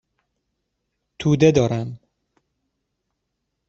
توده دارم.